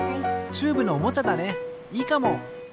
チューブのおもちゃだねいいかも。